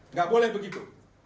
nggak boleh begitu